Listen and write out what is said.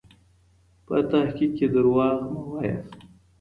په تحقیق کې درواغ مه وایئ.